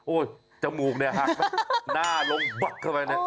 โอ้ยจมูกเนี่ยหักมาหน้าล้มบั๊คเข้าไป